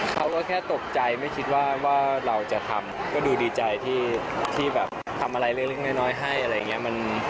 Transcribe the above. เขาก็แค่ตกใจไม่คิดว่าว่าเราจะทำก็ดูดีใจที่ที่แบบทำอะไรเล็กเล็กน้อยให้อักใจ